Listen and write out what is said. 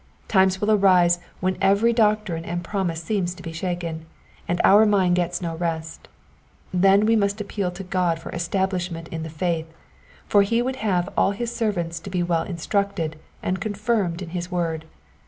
Times will arise when every doc trine and promise seems to be shaken, and our mind gets no rest : then we must appeal to God for establishment in the faith, for he would have all his servants to be well instructed and confirmed in his word.